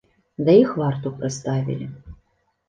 Да іх варту прыставілі.